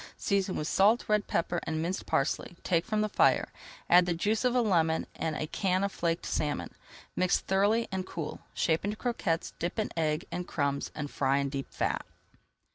Season with salt, red pepper, and minced parsley, take from the fire, add the juice of a lemon and a can of flaked salmon. Mix thoroughly and cool. Shape into croquettes, dip in egg and crumbs, and fry in deep fat.